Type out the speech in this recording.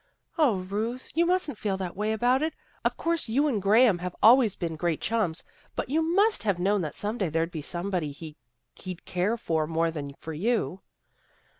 " 0, Ruth! You mustn't feel that way about it. Of course you and Graham have always been great chums, but you must have known that some day there' d be somebody he'd care for more than for you."